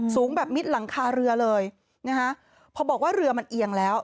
สูงแบบมิดหลังคาเรือเลยนะคะพอบอกว่าเรือมันเอียงแล้ว